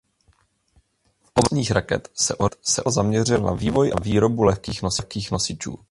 V oblasti nosných raket se Orbital zaměřil na vývoj a výrobu lehkých nosičů.